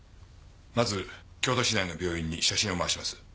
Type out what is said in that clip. まず京都市内の病院に写真を回します。